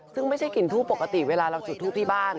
ซึ่งไม่ใช่กลิ่นทูบปกติเวลาเราจุดทูปที่บ้าน